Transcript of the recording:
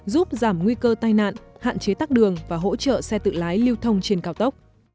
giúp giảm nguy cơ tai nạn hạn chế tắc đường và hỗ trợ xe tự lái lưu thông trên cao tốc